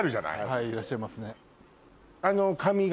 はいいらっしゃいますね。